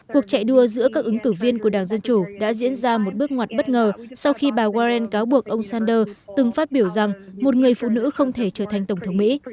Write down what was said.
cuộc chạy đua giữa các ứng cử viên của đảng dân chủ đã diễn ra một bước ngoặt bất ngờ sau khi bà warren cáo buộc ông sanders từng phát biểu rằng một người phụ nữ không thể trở thành tổng thống mỹ